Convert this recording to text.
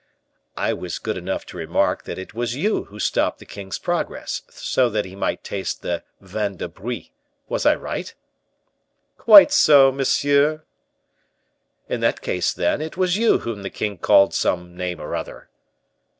"I was good enough to remark that it was you who stopped the king's progress, so that he might taste the vin de Brie. Was I right?" "Quite so, monsieur." "In that case, then, it was you whom the king called some name or other."